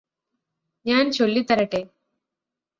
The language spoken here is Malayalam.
ഞാന് ചൊല്ലിത്തരട്ടെ